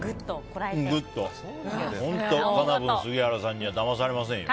カナブンの杉原さんにはだまされませんよ。